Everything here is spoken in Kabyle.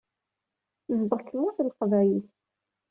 Tezdeɣ deg Tmurt n Leqbayel.